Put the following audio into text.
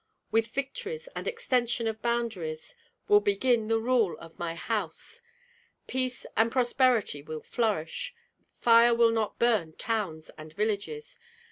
With victories and extension of boundaries will begin the rule of my house. Peace and prosperity will flourish; fire will not burn towns and villages.